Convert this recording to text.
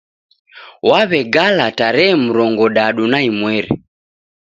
Waw'egala tarehe murongodadu na imweri